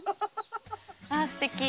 ああ、すてき。